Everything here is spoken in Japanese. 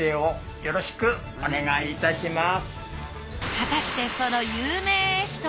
よろしくお願いします。